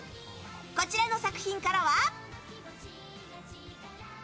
こちらの作品からは。